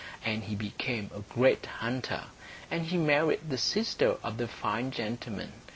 And he became a great hunter. And he married the sister of the fine gentleman.